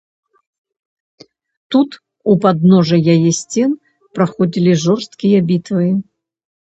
Тут, у падножжа яе сцен, праходзілі жорсткія бітвы.